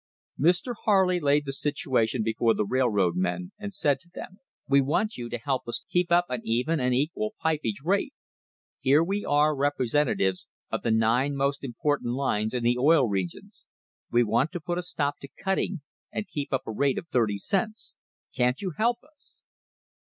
Mr. Harley laid the situation before the railroad men and said to them : "We want you to help us keep up an even and equal pipage rate. Here we are representatives of the nine most important lines in the Oil Regions. We want to put a stop to cutting and keep up a rate of thirty cents. Can't you help us?"